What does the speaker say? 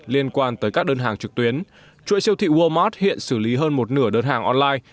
liên quan tới các đơn hàng trực tuyến chuỗi siêu thị wammart hiện xử lý hơn một nửa đơn hàng online